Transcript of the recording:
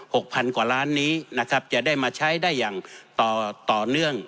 พันกว่าล้านนี้นะครับจะได้มาใช้ได้อย่างต่อต่อเนื่อง